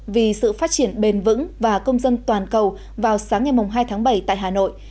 vì sự phát triển bền vững và công dân toàn cầu vào sáng ngày hai tháng bảy tại hà nội